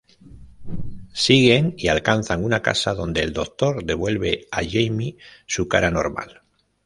Siguen y alcanzan una casa, donde el Doctor devuelve a Jamie su cara normal.